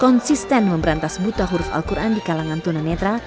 konsisten memberantas buta huruf al quran di kalangan tunanetra